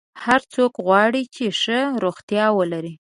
هر څوک غواړي چې ښه روغتیا ولري.